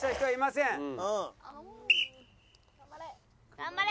頑張れ！